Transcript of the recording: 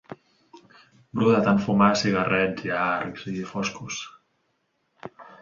Bru de tant fumar cigarrets llargs i foscos.